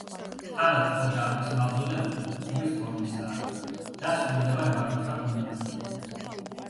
თავად ხოჯა აბდის მავზოლეუმი კუბის ფორმისაა და სრულდება რვაკუთხა გუმბათით.